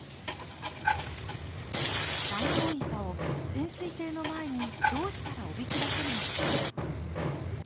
ダイオウイカを潜水艇の前にどうしたらおびき出せるのか。